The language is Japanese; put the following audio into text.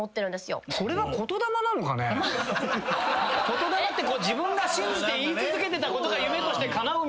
言霊って自分が信じて言い続けてたことが夢としてかなうみたいな。